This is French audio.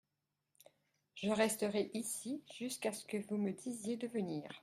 Je resterai ici jusqu’à ce que vous me disiez de venir.